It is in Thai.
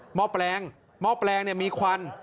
ห้อแปลงหม้อแปลงมีควัน